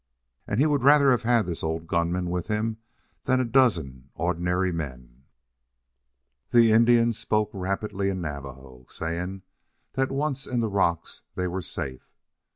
And he would rather have had this old gun man with him than a dozen ordinary men. The Indian spoke rapidly in Navajo, saying that once in the rocks they were safe.